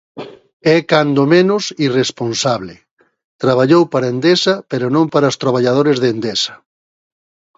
É cando menos irresponsable, traballou para Endesa pero non para os traballadores de Endesa.